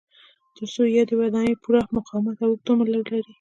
ترڅو یادې ودانۍ پوره مقاومت او اوږد عمر ولري.